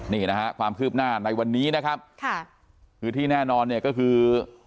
นี่นะฮะความคืบหน้าในวันนี้นะครับค่ะคือที่แน่นอนเนี่ยก็คือ